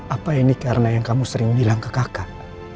apa ini karena yang kamu sering bilang ke kakak